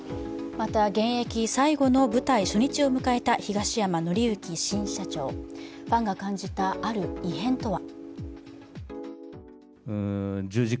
また現役最後の舞台初日を迎えた東山紀之新社長、ファンが感じた、ある異変とは。